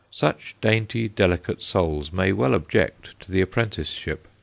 Such dainty, delicate souls may well object to the apprenticeship.